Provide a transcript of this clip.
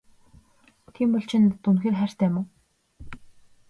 Тийм бол чи надад үнэхээр хайртай юм уу?